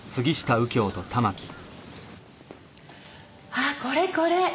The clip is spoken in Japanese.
あこれこれ！